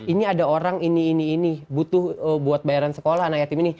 ini ada orang ini ini ini butuh buat bayaran sekolah anak yatim ini